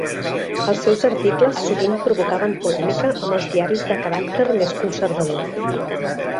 Els seus articles sovint provocaven polèmica amb els diaris de caràcter més conservador.